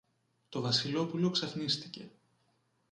Το Βασιλόπουλο ξαφνίστηκε.